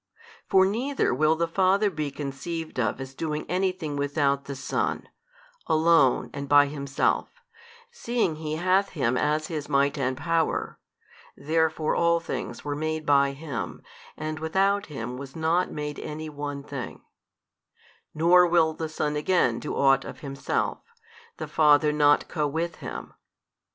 For neither will the Father be conceived of as doing anything without the Son, Alone and by Himself, seeing He hath Him as His Might and Power (therefore all things were made by Him, and without Him was not made any one thing) nor will the Son again do ought of Himself, the Father not co with Him.